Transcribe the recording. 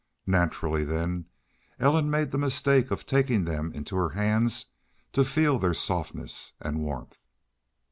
Naturally, then, Ellen made the mistake of taking them in her hands to feel their softness and warmth.